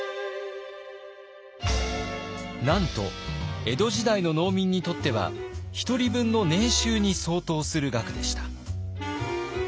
なんと江戸時代の農民にとっては１人分の年収に相当する額でした。